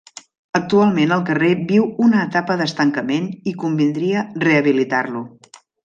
Actualment el carrer viu una etapa d'estancament i convindria rehabilitar-lo.